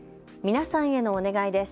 皆さんへのお願いです。